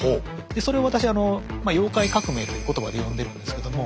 でそれを私「妖怪革命」という言葉で呼んでるんですけども。